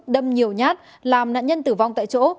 đâm nhiều nhát làm nạn nhân tử vong tại chỗ